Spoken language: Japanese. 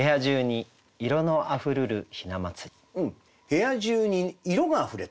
部屋中に色があふれた。